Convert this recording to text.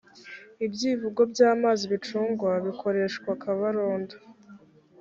ibyivugo by’amazi bicungwa, bikoreshwa kabarondo.